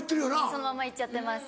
そのままいっちゃってます。